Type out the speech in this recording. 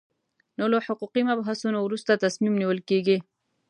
نو له حقوقي مبحثونو وروسته تصمیم نیول کېږي.